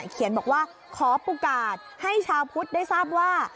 เขียนบอกว่าขอโอกาสให้ชาวพุทธได้ทราบว่า